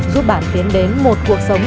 giúp bạn tiến đến một cuộc sống